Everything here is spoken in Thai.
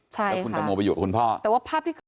ใช่ค่ะแล้วคุณตังโมไปอยู่กับคุณพ่อ